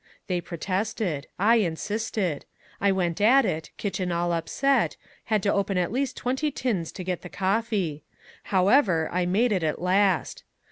They protested. I insisted. I went at it, kitchen all upset had to open at least twenty tins to get the coffee. However, I made it at last.